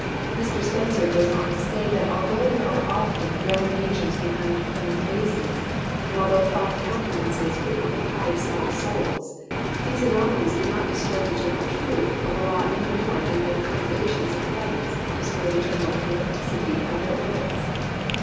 Mr. Spencer goes on to say that although there are often grand natures behind plain faces, and although fine countenances frequently hide small souls, " these anomalies do not destroy the general truth of the law any more than the perturbations of planets destroy the general ellipticity of their orbits."